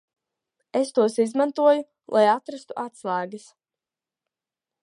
Es tos izmantoju, lai atrastu atslēgas.